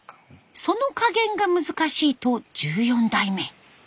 その加減が難しいと１４代目。